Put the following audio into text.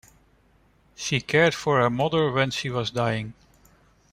She cared for her mother when she was dying.